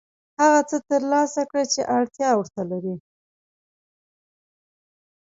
هغه څه ترلاسه کړه چې اړتیا ورته لرې.